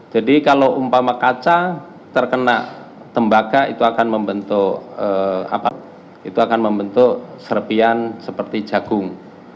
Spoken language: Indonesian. jadi kalau umpama kaca terkena tembaga itu akan membentuk serpian seperti jagung